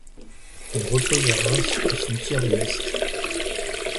Il repose à Reims au Cimetière de l'Est.